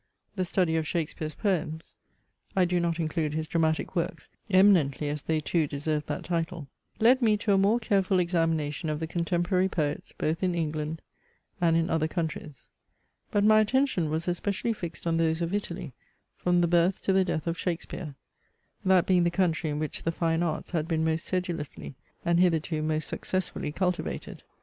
The study of Shakespeare's poems (I do not include his dramatic works, eminently as they too deserve that title) led me to a more careful examination of the contemporary poets both in England and in other countries. But my attention was especially fixed on those of Italy, from the birth to the death of Shakespeare; that being the country in which the fine arts had been most sedulously, and hitherto most successfully cultivated.